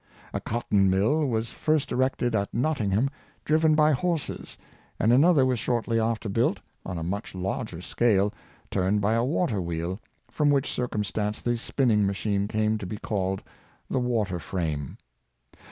A cotton mill was first erected at Nottingham, driven by horses, and another was shortly after built, on a much larger scale, turned by a water wheel, from which circumstance the spinning machine came to be called the water frame.